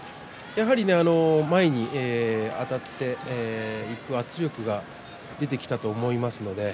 やはりあたって前にいく圧力が出てきたと思います。